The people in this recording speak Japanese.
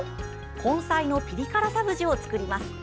根菜のピリ辛サブジを作ります。